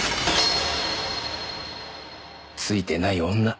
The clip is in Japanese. ツイてない女。